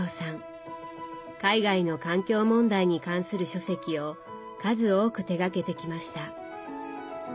海外の環境問題に関する書籍を数多く手がけてきました。